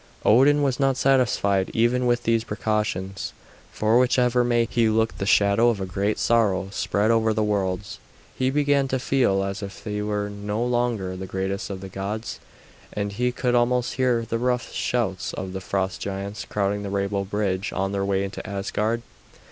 Odin was not satisfied even with these precautions, for whichever way he looked the shadow of a great sorrow spread over the worlds. He began to feel as if he were no longer the greatest of the gods, and he could almost hear the rough shouts of the frost giants crowding the rainbow bridge on their way into Asgard.